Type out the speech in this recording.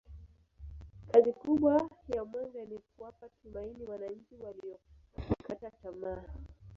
kazi kubwa ya mwenge ni kuwapa tumaini wananchi waliokata tamaa